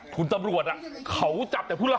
คุณตำรวจเขาจับแต่ผู้รับ